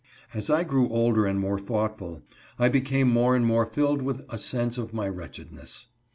As I grew older and more thoughtful, I became more and more filled with a sense of my wretchedness.